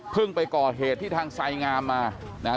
เพิ่งไปก่อเหตุที่ทางทรายงามมา